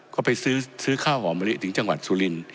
ก็ไปซื้อข้าวหอมมะลิถึงจังหวัดสุริน